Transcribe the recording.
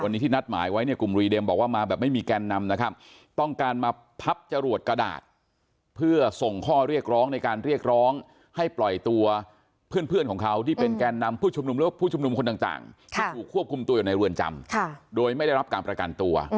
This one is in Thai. ค่ะวันนี้ที่นัดหมายไว้เนี่ยกลุ่มรีเด็มบอกว่ามาแบบไม่มีแกนนำนะครับต้องการมาพับจ่ะลวดกระดาษ